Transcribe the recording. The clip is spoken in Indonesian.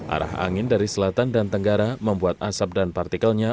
arah angin dari selatan dan tenggara membuat asap dan partikelnya